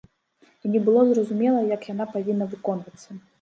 І не было зразумела, як яна павінна выконвацца.